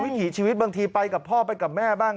ถีชีวิตบางทีไปกับพ่อไปกับแม่บ้าง